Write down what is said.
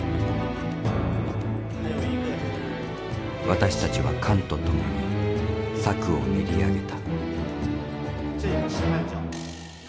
私たちは韓と共に策を練り上げた。